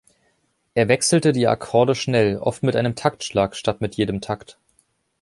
Er wechselte die Akkorde schnell, oft mit einem Taktschlag, statt mit jedem Takt.